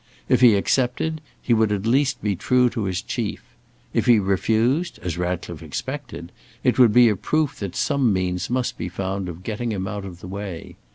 If he accepted, he would at least be true to his chief. If he refused, as Ratcliffe expected, it would be a proof that some means must be found of getting him out of the way.